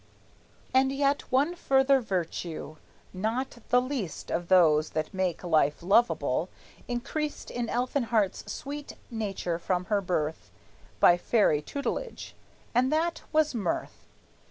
And yet one further virtue, not the least Of those that make life lovable, increased In Elfinhart's sweet nature from her birth By fairy tutelage; and that was mirth.